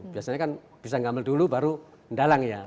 biasanya kan bisa gambar dulu baru dalang ya